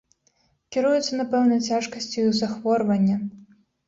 Кіруюцца, напэўна, цяжкасцю іх захворвання.